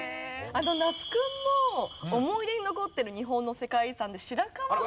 那須君も「思い出に残ってる日本の世界遺産」で白川郷。